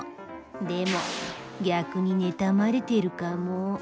でも、逆に妬まれているかも。